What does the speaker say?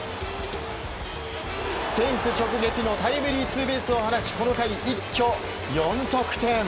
フェンス直撃のタイムリーツーベースを放ちこの回、一挙４得点。